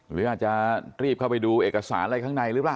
หรืออาจจะรีบเข้าไปดูเอกสารอะไรข้างในหรือเปล่า